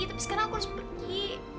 tapi sekarang aku harus pergi